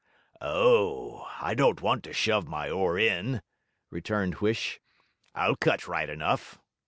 'Oh, I don't want to shove my oar in,' returned Huish. 'I'll cut right enough.